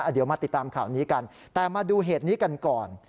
เดี๋ยวมาติดตามข่าวนี้กันแต่มาดูเหตุนี้กันก่อน